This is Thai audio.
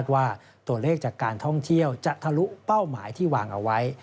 ว่าตัวเลขจากการท่องเที่ยวจะทะลุเป้าหมายที่วางเอาไว้